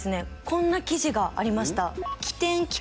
こんな記事がありました。